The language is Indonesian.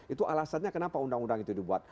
itu alasannya kenapa undang undang itu dibuat